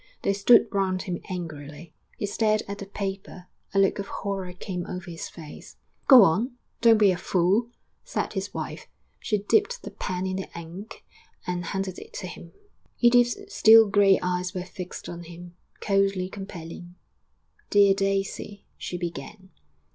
They stood round him angrily. He stared at the paper; a look of horror came over his face. 'Go on! don't be a fool!' said his wife. She dipped the pen in the ink and handed it to him. Edith's steel grey eyes were fixed on him, coldly compelling. 'Dear Daisy,' she began.